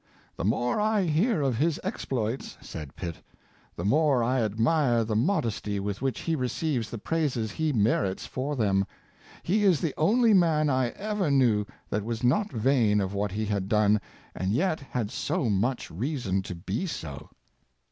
" The more I hear of his exploits," said Pitt, " the more I admire the modesty with which he receives the praises he merits for them. He is the only man I ever knew that was not vain of what he had done, and yet had so much reason to be so."